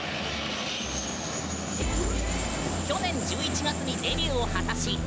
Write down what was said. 去年１１月にデビューを果たし